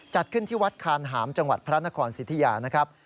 จัดขึ้นที่วัดคานหามจังหวัดพระนครสิทธิยานะครับ